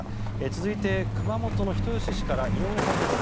続いて、熊本の人吉市から井上さんです。